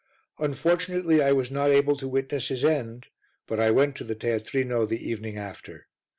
Unfortunately I was not able to witness his end, but I went to the teatrino the evening after.